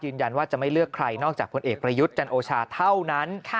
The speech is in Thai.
ยืนยันว่าจะไม่เลือกใครนอกจากพลเอกประยุทธ์จันโอชาเท่านั้น